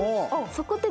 そこって。